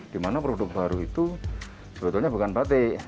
dimana produk baru itu sebetulnya bukan batik